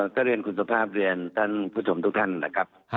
ก็เรียนคุณสุภาพเรียนท่านผู้ชมทุกท่านนะครับ